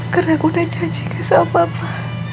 karena aku udah janji sama papa